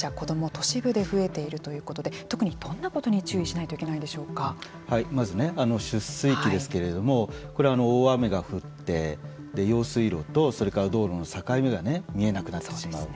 都市部で増えているということで特にどんなことに注意しないとまず出水期ですけれどもこれは大雨が降って用水路とそれから道路の境目が見えなくなってしまう。